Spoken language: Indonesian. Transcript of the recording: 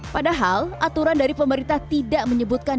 padahal aturan dari pemerintah tidak menyebutkan